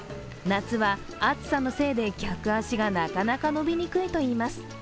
夏は暑さのせいで客足がなかなか伸びにくいといいます。